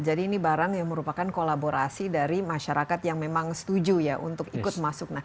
jadi ini barang yang merupakan kolaborasi dari masyarakat yang memang setuju ya untuk ikut masuk